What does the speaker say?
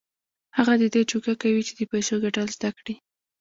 هغه د دې جوګه کوي چې د پيسو ګټل زده کړي.